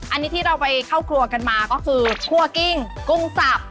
อันนี้ที่เราไปเข้าครัวกันมาก็คือคั่วกิ้งกุ้งสับ